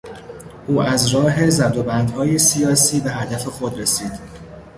او از راه زد و بندهای سیاسی به هدف خود رسید.